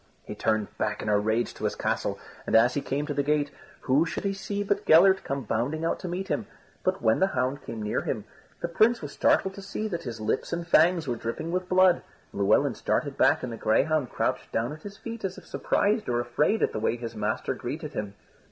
He turned back in a rage to his castle, and as he came to the gate, who should he see but Gellert come bounding out to meet him. But when the hound came near him, the Prince was startled to see that his lips and fangs were dripping with blood. Llewelyn started back and the greyhound crouched down at his feet as if surprised or afraid at the way his master greeted him.